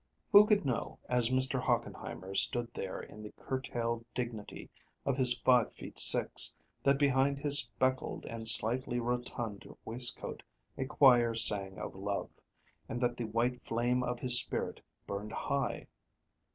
Who could know, as Mr. Hochenheimer stood there in the curtailed dignity of his five feet five, that behind his speckled and slightly rotund waistcoat a choir sang of love, and that the white flame of his spirit burned high?